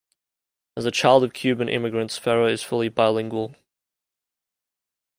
As the child of Cuban immigrants, Ferrer is fully bilingual.